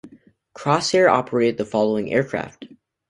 Crossair operated the following aircraft.